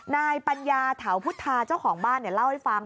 นายปัญญาเถาพุทธาเจ้าของบ้านเล่าให้ฟัง